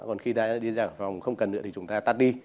còn khi ta đi ra phòng không cần nữa thì chúng ta tắt đi